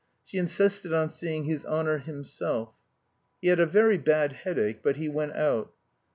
She insisted on seeing "his honour himself." He had a very bad headache, but he went out.